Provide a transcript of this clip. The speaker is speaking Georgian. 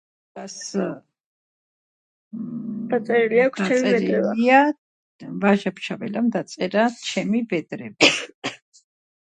იზოლირებულ ენებში მორფემები ცალ-ცალკე, ერთმანეთისგან იზოლირებულად არსებობს.